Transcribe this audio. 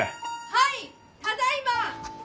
・はいただいま！